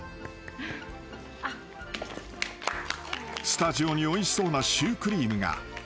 ［スタジオにおいしそうなシュークリームが］